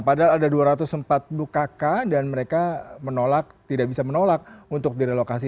padahal ada dua ratus empat puluh kakak dan mereka menolak tidak bisa menolak untuk direlokasi